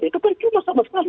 itu berjumlah sama sekali